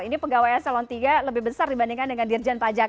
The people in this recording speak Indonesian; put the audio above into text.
ini pegawai eselon iii lebih besar dibandingkan dengan dirjen pajak